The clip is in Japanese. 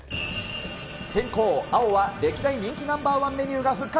先攻、青は歴代人気ナンバーワンメニューが復活。